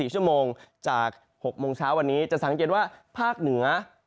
๔ชั่วโมงจาก๖โมงเช้าวันนี้จะสังเกตว่าภาคเหนือ